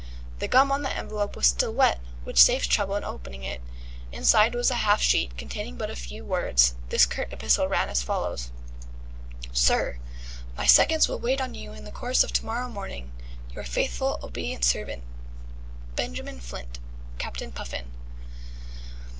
The gum on the envelope was still wet, which saved trouble in opening it. Inside was a half sheet containing but a few words. This curt epistle ran as follows: SIR, My seconds will wait on you in the course of to morrow morning. Your faithful obedient servant, BENJAMIN FLINT Captain Puffin.